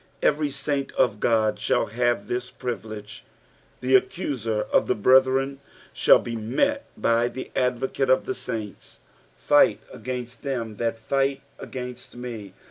Every saint of God shall have this privilege : the kccuaer of the brethren shall be met faj the Advocate of the uints. " f\fkt agattut them that Jight against me."